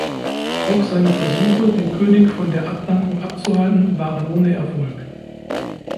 Auch seine Versuche, den König von der Abdankung abzuhalten, waren ohne Erfolg.